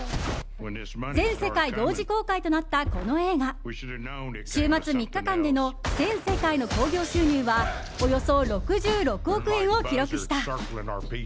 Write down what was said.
全世界同時公開となったこの映画週末３日間での全世界の興行収入はおよそ６６億円を記録した。